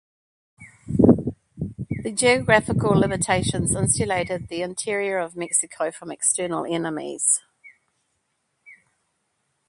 The geographical limitations insulated the interior of Mexico from external enemies.